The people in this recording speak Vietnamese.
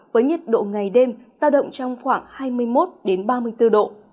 với nhiệt độ ngày đêm giao động trong khoảng hai mươi một ba mươi bốn độ